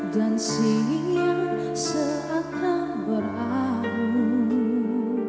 dan singin yang seakan berau